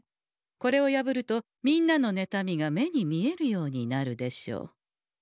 これを破るとみんなのねたみが目に見えるようになるでしょう。